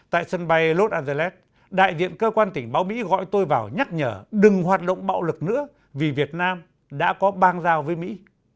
tại sân bay los angeles đại diện cơ quan tình báo mỹ gọi tôi vào nhắc nhở đừng hoạt động bạo lực nữa vì việt nam đã có bang giao với mỹ